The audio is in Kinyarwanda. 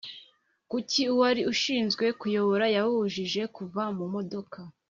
kuki uwari ushinzwe kubayobora yababujije kuva mu modoka?